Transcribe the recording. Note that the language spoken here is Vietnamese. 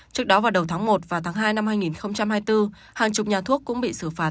trước đó vào đầu tháng một và tháng hai năm hai nghìn hai mươi bốn hàng chục nhà thuốc cũng bị xử phạt